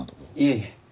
いえいえ。